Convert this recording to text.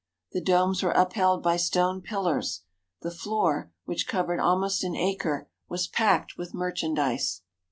The domes were upheld by stone pillars. The floor, which covered almost an acre, was packed with merchandise.